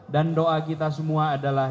dan doa kita semua adalah